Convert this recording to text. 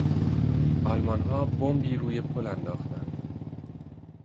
آلمانها بمبی روی پل انداختند.